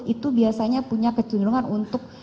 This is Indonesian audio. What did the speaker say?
itu biasanya punya kecenderungan untuk